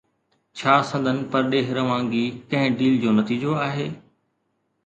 ڇا سندن پرڏيهه روانگي ڪنهن ڊيل جو نتيجو آهي؟